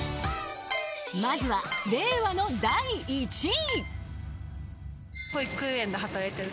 ［まずは令和の第１位］